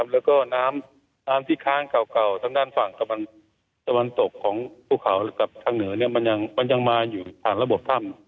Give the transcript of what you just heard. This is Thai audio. แล้วก็น้ำที่ค้างเก่าทางด้านฝั่งตะวันตกของภูเขากับทางเหนือมันยังมาอยู่ผ่านระบบถ้ำ